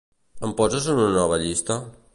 Em poses una nova llista?